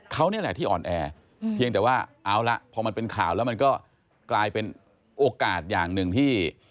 เขานี่แหละที่อ่อนแอเพียงแต่ว่าเอาละพอมันเป็นข่าวแล้วมันก็กลายเป็นโอกาสอย่างหนึ่งที่